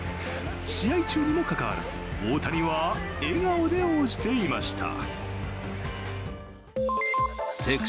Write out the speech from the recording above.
試合中にもかかわらず大谷は笑顔で応じていました。